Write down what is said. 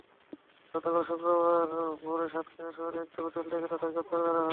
গতকাল শুক্রবার ভোরে সাতক্ষীরা শহরের একটি হোটেল থেকে তাঁদের গ্রেপ্তার করা হয়।